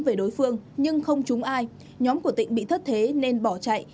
về đối phương nhưng không trúng ai nhóm của tịnh bị thất thế nên bỏ chạy